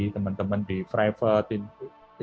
teman teman di private institusi yang lain